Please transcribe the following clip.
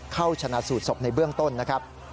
เข้าชนะสูตรศพในเบื้องต้นนะครับ